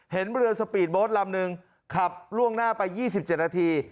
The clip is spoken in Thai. เห็นเรือสปีดโบสต์ลำนึงขับล่วงหน้าไป๒๗นาที